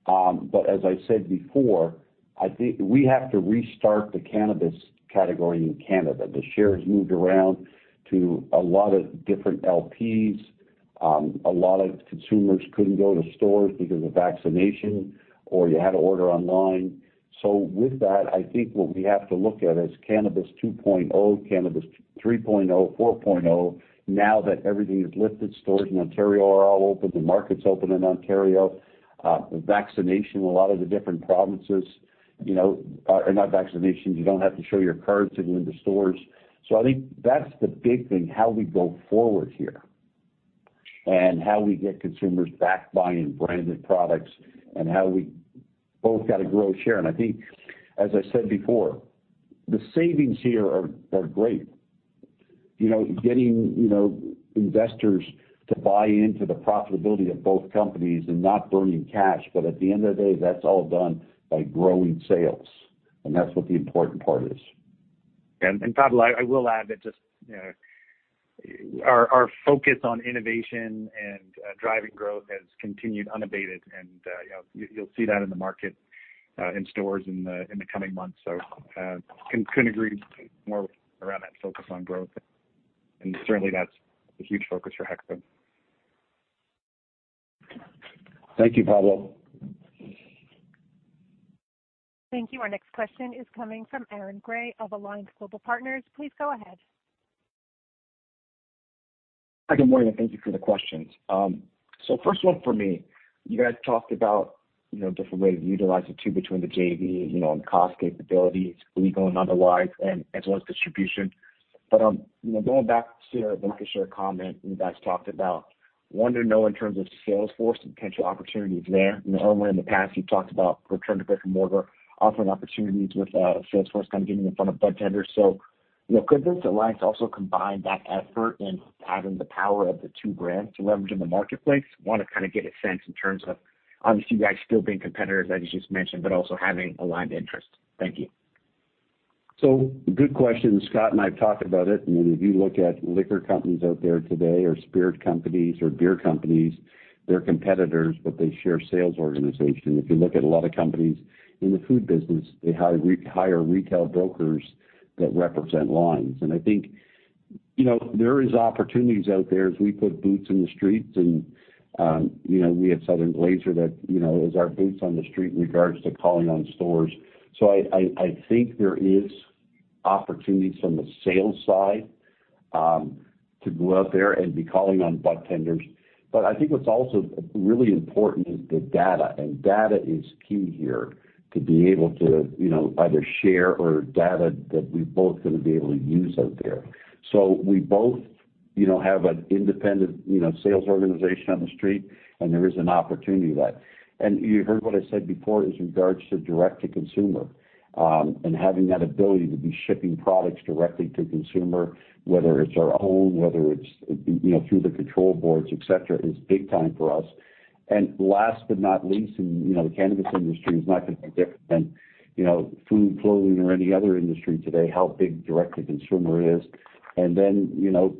As I said before, I think we have to restart the cannabis category in Canada. The shares moved around to a lot of different LPs. A lot of consumers couldn't go to stores because of vaccination or you had to order online. With that, I think what we have to look at is Cannabis 2.0, Cannabis 3.0, 4.0. Now that everything is lifted, stores in Ontario are all open, the market's open in Ontario. Vaccination, a lot of the different provinces, you know, are not vaccinations. You don't have to show your cards to go into stores. I think that's the big thing, how we go forward here and how we get consumers back buying branded products and how we both got to grow share. I think as I said before, the savings here are great. You know, getting, you know, investors to buy into the profitability of both companies and not burning cash. At the end of the day, that's all done by growing sales. That's what the important part is. Pablo, I will add that just, you know, our focus on innovation and driving growth has continued unabated. You know, you'll see that in the market, in stores in the coming months. Couldn't agree more around that focus on growth. Certainly, that's a huge focus for HEXO. Thank you, Pablo. Thank you. Our next question is coming from Aaron Grey of Alliance Global Partners. Please go ahead. Hi, good morning, and thank you for the questions. First one for me. You guys talked about, you know, different ways of utilizing two between the JV, you know, and cost capabilities, legal and otherwise and as well as distribution. You know, going back to the market share comment you guys talked about, wanted to know in terms of sales force and potential opportunities there. You know, earlier in the past you've talked about return to brick-and-mortar, offering opportunities with sales force kind of getting in front of budtenders. You know, could this alliance also combine that effort in having the power of the two brands to leverage in the marketplace? Want to kind of get a sense in terms of obviously you guys still being competitors, as you just mentioned, but also having aligned interest. Thank you. Good question. Scott and I have talked about it and if you look at liquor companies out there today or spirit companies or beer companies, they're competitors but they share sales organization. If you look at a lot of companies in the food business, they hire hire retail brokers that represent lines. I think, you know, there is opportunities out there as we put boots in the streets and, you know, we have Southern Glazer's that, you know, is our boots on the street in regards to calling on stores. I think there is opportunities from the sales side, to go out there and be calling on budtenders but I think what's also really important is the data. Data is key here to be able to, you know, either shared data that we're both gonna be able to use out there. We both, you know, have an independent, you know, sales organization on the street and there is an opportunity there. You heard what I said before as regards to direct to consumer and having that ability to be shipping products directly to consumer, whether it's our own, whether it's, you know, through the control boards, et cetera, is big time for us. Last but not least, and you know, the cannabis industry is not going to be different than, you know, food, clothing or any other industry today, how big direct to consumer is. Then, you know,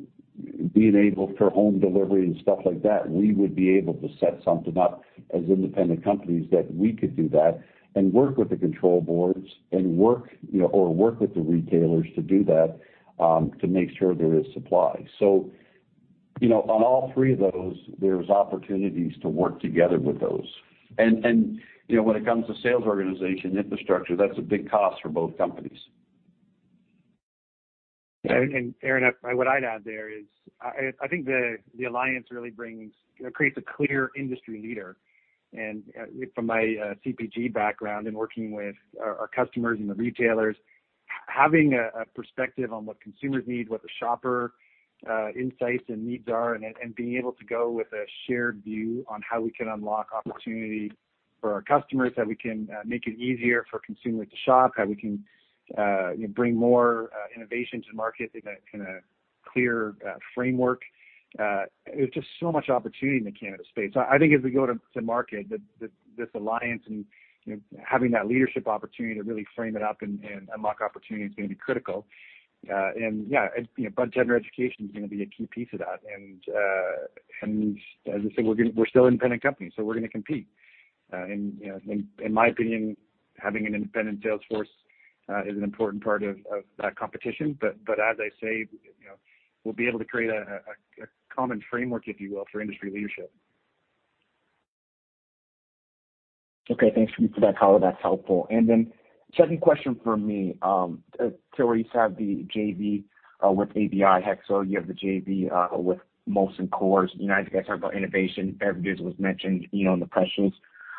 being able for home delivery and stuff like that, we would be able to set something up as independent companies that we could do that and work with the control boards and, you know, work with the retailers to do that, to make sure there is supply. You know, on all three of those, there's opportunities to work together with those. You know, when it comes to sales organization infrastructure, that's a big cost for both companies. Aaron, what I'd add there is I think the alliance really brings, creates a clear industry leader. From my CPG background in working with our customers and the retailers Having a perspective on what consumers need, what the shopper insights and needs are and being able to go with a shared view on how we can unlock opportunity for our customers, how we can make it easier for consumers to shop, how we can you know bring more innovation to market in a clear framework. There's just so much opportunity in the cannabis space. I think as we go to market that this alliance and you know having that leadership opportunity to really frame it up and unlock opportunity is gonna be critical. Yeah, you know, budtender education is gonna be a key piece of that. As I said, we're still independent companies, so we're gonna compete. You know, in my opinion, having an independent sales force is an important part of that competition. As I say, you know, we'll be able to create a common framework, if you will, for industry leadership. Okay. Thanks for that color. That's helpful. Second question for me. Tilray has the JV with AB InBev. HEXO, you have the JV with Molson Coors. You know, as you guys talk about innovation, beverages was mentioned, you know, on the press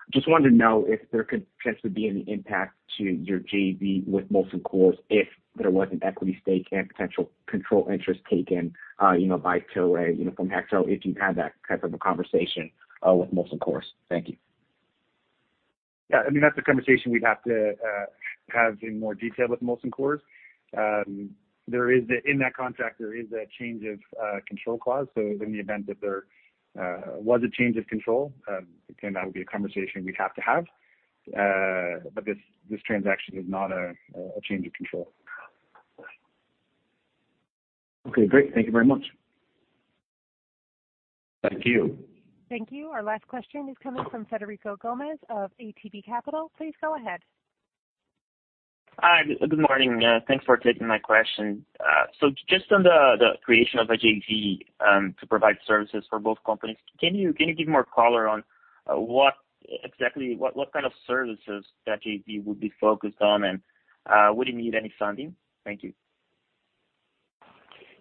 release. Just wanted to know if there could potentially be any impact to your JV with Molson Coors if there was an equity stake and potential control interest taken, you know, by Tilray, you know, from HEXO, if you've had that type of a conversation with Molson Coors. Thank you. Yeah, I mean, that's a conversation we'd have to have in more detail with Molson Coors. There is in that contract a change of control clause. In the event that there was a change of control, again, that would be a conversation we'd have to have. This transaction is not a change of control. Okay, great. Thank you very much. Thank you. Thank you. Our last question is coming from Frederico Gomes of ATB Capital. Please go ahead. Hi. Good morning. Thanks for taking my question. So just on the creation of a JV to provide services for both companies, can you give more color on what kind of services that JV would be focused on? Would it need any funding? Thank you.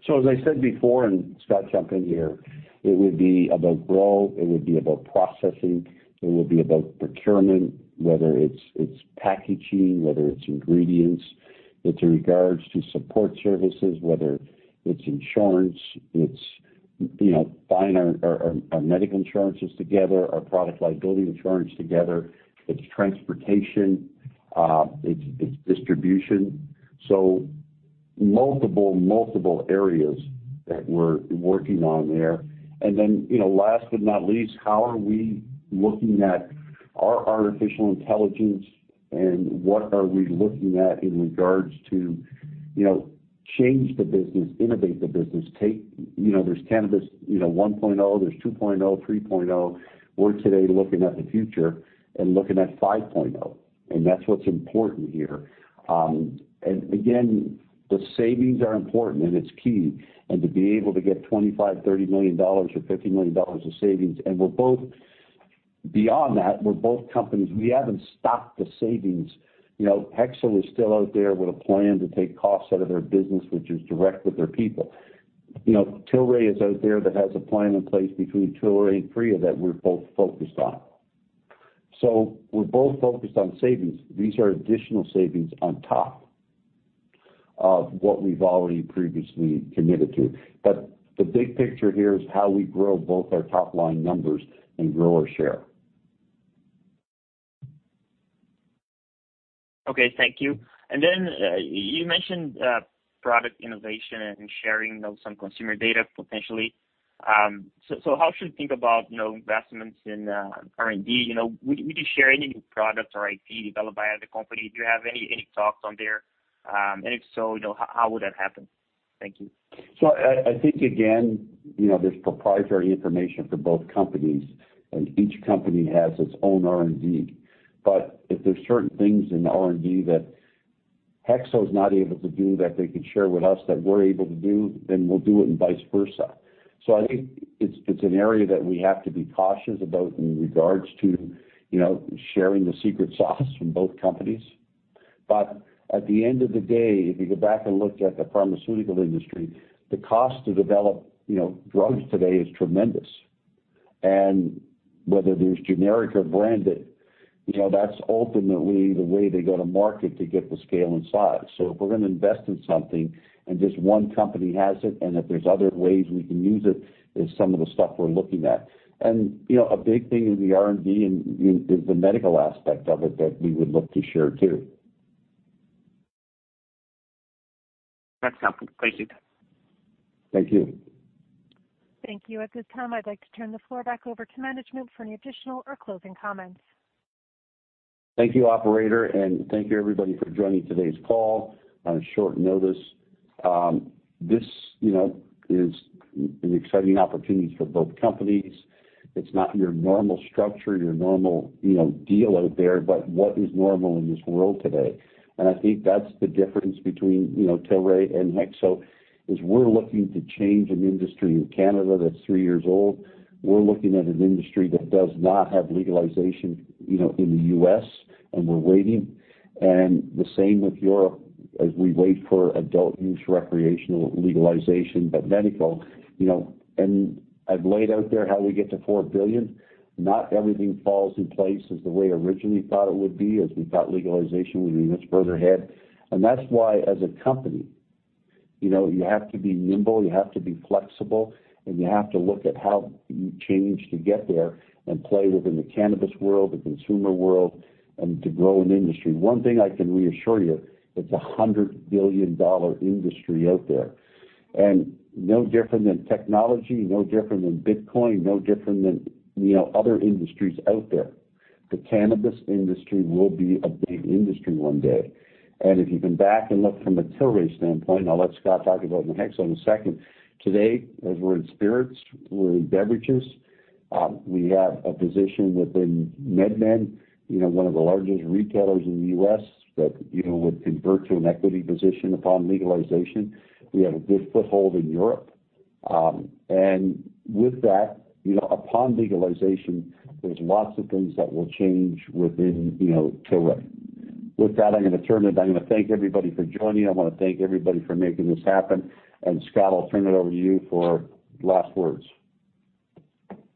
As I said before, Scott jump in here, it would be about growth, it would be about processing, it would be about procurement, whether it's packaging, whether it's ingredients. It's in regards to support services, whether it's insurance, you know, buying our medical insurances together, our product liability insurance together, it's transportation, it's distribution. Multiple areas that we're working on there. Then, you know, last but not least, how are we looking at our artificial intelligence and what are we looking at in regards to, you know, change the business, innovate the business. You know, there's Cannabis 1.0, there's 2.0, 3.0. We're today looking at the future and looking at 5.0 and that's what's important here. Again, the savings are important and it's key. To be able to get $25-$30 million or $50 million of savings and we're both, beyond that, we're both companies. We haven't stopped the savings. You know, HEXO is still out there with a plan to take costs out of their business, which is direct with their people. You know, Tilray is out there that has a plan in place between Tilray and Aphria that we're both focused on. We're both focused on savings. These are additional savings on top of what we've already previously committed to. The big picture here is how we grow both our top line numbers and grow our share. Okay. Thank you. Then you mentioned product innovation and sharing, you know, some consumer data potentially. How should you think about, you know, investments in R&D? You know, would you share any new products or IP developed by other company? Do you have any thoughts on that? If so, you know, how would that happen? Thank you. I think again, you know, there's proprietary information for both companies and each company has its own R&D. If there's certain things in R&D that HEXO is not able to do that they can share with us that we're able to do, then we'll do it and vice versa. I think it's an area that we have to be cautious about in regards to, you know, sharing the secret sauce from both companies. At the end of the day, if you go back and look at the pharmaceutical industry, the cost to develop, you know, drugs today is tremendous. Whether there's generic or branded, you know, that's ultimately the way they go to market to get the scale and size. If we're gonna invest in something and just one company has it and if there's other ways we can use it, is some of the stuff we're looking at. You know, a big thing in the R&D and is the medical aspect of it that we would look to share too. That's helpful. Thank you. Thank you. Thank you. At this time, I'd like to turn the floor back over to management for any additional or closing comments. Thank you, operator. Thank you everybody for joining today's call on short notice. This, you know, is an exciting opportunity for both companies. It's not your normal structure, you know, deal out there, but what is normal in this world today? I think that's the difference between, you know, Tilray and HEXO, is we're looking to change an industry in Canada that's three years old. We're looking at an industry that does not have legalization, you know, in the U.S., and we're waiting. The same with Europe as we wait for adult use recreational legalization. Medical, you know, and I've laid out there how we get to $4 billion. Not everything falls in place as the way I originally thought it would be, as we thought legalization would be much further ahead. That's why as a company, you know, you have to be nimble, you have to be flexible, and you have to look at how you change to get there and play within the cannabis world, the consumer world, and to grow an industry. One thing I can reassure you, it's a $100 billion industry out there. No different than technology, no different than Bitcoin, no different than, you know, other industries out there. The cannabis industry will be a big industry one day. If you step back and look from a Tilray standpoint, I'll let Scott talk about HEXO in a second. Today, as we're in spirits, we're in beverages, we have a position within MedMen, you know, one of the largest retailers in the U.S. that, you know, would convert to an equity position upon legalization. We have a good foothold in Europe. With that, you know, upon legalization, there's lots of things that will change within, you know, Tilray. With that, I'm gonna turn it. I'm gonna thank everybody for joining. I wanna thank everybody for making this happen. Scott, I'll turn it over to you for last words.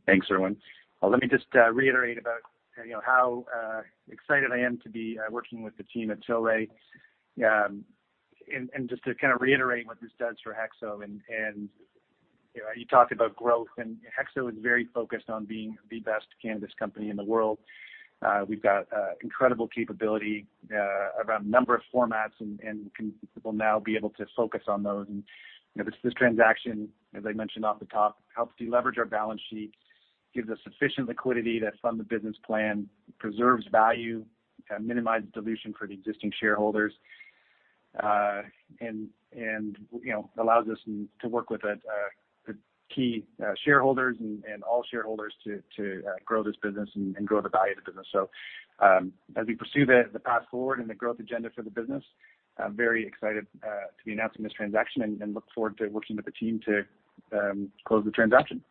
Thanks, Irwin. Let me just reiterate about, you know, how excited I am to be working with the team at Tilray. Just to kind of reiterate what this does for HEXO and, you know, you talked about growth, and HEXO is very focused on being the best cannabis company in the world. We've got incredible capability around a number of formats and we'll now be able to focus on those. You know, this transaction, as I mentioned off the top, helps deleverage our balance sheet, gives us sufficient liquidity to fund the business plan, preserves value, minimize dilution for the existing shareholders. You know, allows us to work with the key shareholders and all shareholders to grow this business and grow the value of the business. As we pursue the Path Forward and the growth agenda for the business, I'm very excited to be announcing this transaction and look forward to working with the team to close the transaction.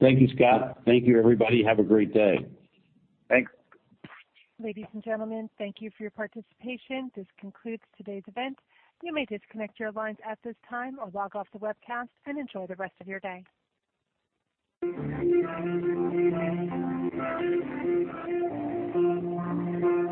Thank you, Scott. Thank you, everybody. Have a great day. Thanks. Ladies and gentlemen, thank you for your participation. This concludes today's event. You may disconnect your lines at this time or log off the webcast and enjoy the rest of your day.